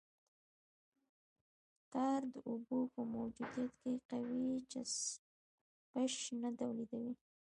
ټار د اوبو په موجودیت کې قوي چسپش نه تولیدوي